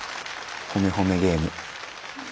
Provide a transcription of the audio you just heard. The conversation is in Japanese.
ほめほめゲーム。